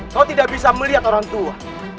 kau tidak bisa melihat orang tua